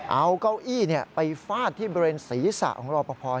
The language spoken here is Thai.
เอาเก้าอี้ไปฟาดที่บริเวณศีรษะของรอปภ